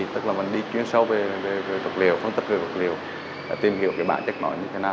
tức là mình đi chuyên sâu về vật liệu phân tích về vật liệu tìm hiểu bản chất nó như thế nào